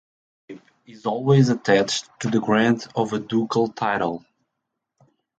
A grandeeship is always attached to the grant of a ducal title.